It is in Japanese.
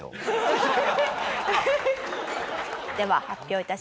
では発表致します。